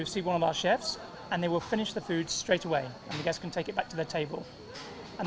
ferneran oleh menteri dan bentuk untuk pesan